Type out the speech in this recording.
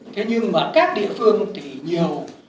thế nhưng mà các địa phương thì nhiều